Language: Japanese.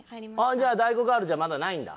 じゃあ大悟ガールじゃまだないんだ。